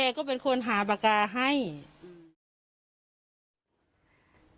เอ่อเกย์ก็เป็นคนหาปากกาให้อืม